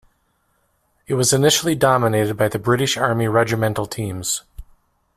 It was initially dominated by British Army regimental teams.